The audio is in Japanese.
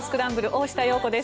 大下容子です。